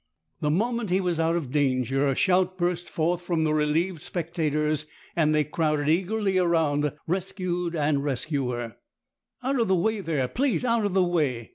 The moment he was out of danger a shout burst forth from the relieved spectators, and they crowded eagerly round rescued and rescuer. "Out of the way there, please! out of the way!"